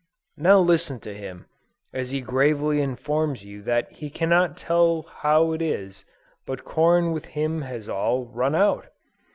Now listen to him, as he gravely informs you that he cannot tell how it is, but corn with him has all "run out."